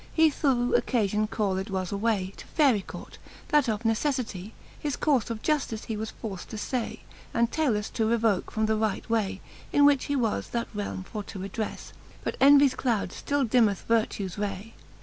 He through occalion called was away To Faery court, that of neceffity His courfe of juftice he was forft to ftay, And 'Talus to revoke from the right way, In which he was that realme for to redrefTe. But envies cloud ftill dimmeth vertues ray.